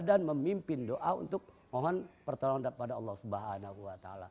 dan memimpin doa untuk mohon pertolongan daripada allah swt